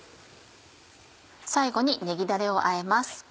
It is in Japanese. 最後にねぎだれをあえます。